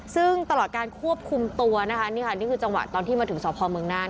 ซึ่งตลอดการควบคุมตัวนะคะนี่ค่ะนี่คือจังหวะตอนที่มาถึงสพเมืองน่าน